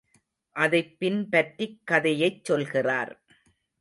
அதைப் பின் பற்றிக் கதையைச் சொல்கிறார்.